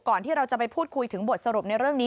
ที่เราจะไปพูดคุยถึงบทสรุปในเรื่องนี้